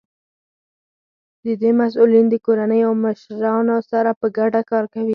د دوی مسؤلین د کورنیو له مشرانو سره په ګډه کار کوي.